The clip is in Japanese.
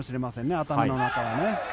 頭の中はね。